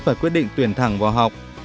và quyết định tuyển thẳng vào học